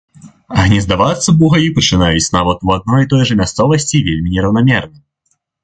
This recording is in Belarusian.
Гнездавацца бугаі пачынаюць нават у адной і той жа мясцовасці вельмі нераўнамерна.